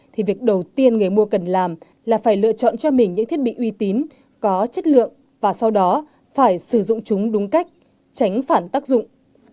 thì việc đầu tiên người mua cần làm là phải lựa chọn cho mình những thiết bị uy tín có chất lượng và sau đó phải sử dụng chúng đúng cách tránh phản tác dụng